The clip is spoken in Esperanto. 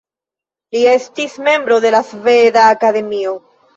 Li estis membro de la Sveda Akademio.